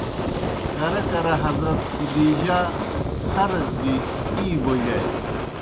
کرہ کرہ حضرت خدیجہؓ خرڅ گیْ ای بوجاسیْ۔